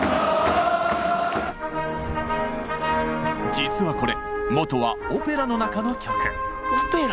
実はこれ元はオペラの中の曲。